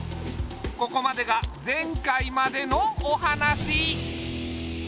ここまでが前回までのお話。